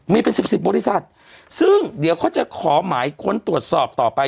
มีเป็นสิบสิบบริษัทซึ่งเดี๋ยวเขาจะขอหมายค้นตรวจสอบต่อไป